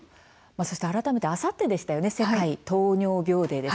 改めて、あさってでしたよね、世界糖尿病デー。